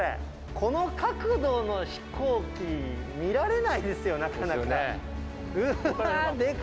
この角度の飛行機、見られないですよ、なかなか。